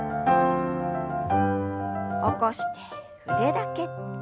起こして腕だけ。